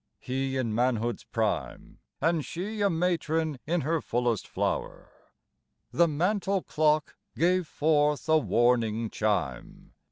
He in manhood's prime And she a matron in her fullest flower. The mantel clock gave forth a warning chime.